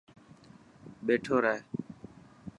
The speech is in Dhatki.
ٻيٺو رهه.